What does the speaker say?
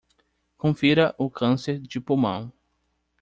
Confira o câncer de pulmão